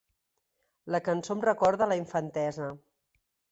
La cançó em recorda a la infantesa.